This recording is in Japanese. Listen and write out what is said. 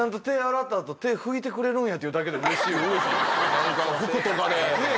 何か服とかで。